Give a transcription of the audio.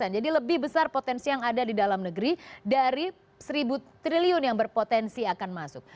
jadi lebih besar potensi yang ada di dalam negeri dari seribu triliun yang berpotensi akan masuk